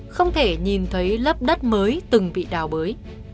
không thể nhìn thấy lớp đất mới từng bị đào bới